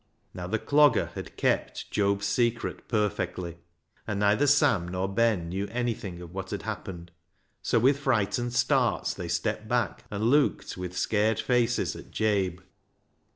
" Now the Clogger had kept Job's secret perfectly, and neither Sam nor Ben knew anything of what had happened. So with frightened starts they stepped back, and looked with scared faces at Jabe.